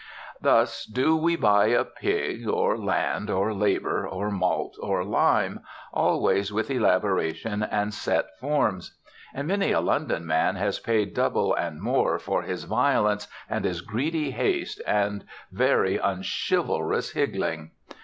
Thus do we buy a pig or land or labor or malt or lime, always with elaboration and set forms; and many a London man has paid double and more for his violence and his greedy haste and very unchivalrous higgling.